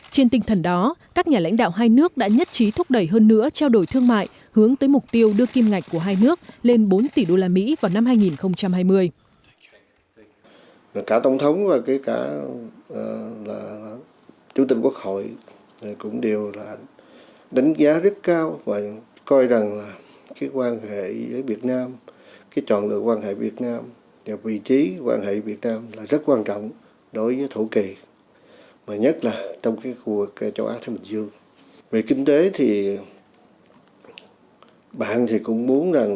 trên tinh thần đó các nhà lãnh đạo hai nước đã nhất trí thúc đẩy hơn nữa trao đổi thương mại hướng tới mục tiêu đưa kim ngạch của hai nước lên bốn tỷ đô la mỹ vào năm hai nghìn hai mươi